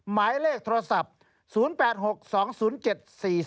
หมายเลขโทรศัพท์๐๘๖๒๐๗๔๓๙๑ครับ